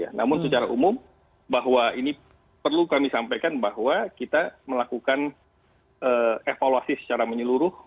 jadi kita juga bisa melakukan evaluasi secara umum bahwa ini perlu kami sampaikan bahwa kita melakukan evaluasi secara menyeluruh